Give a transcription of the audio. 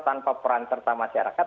tanpa perancerta masyarakat